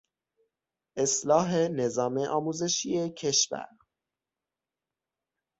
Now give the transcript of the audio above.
اصلاح نظام آموزشی کشور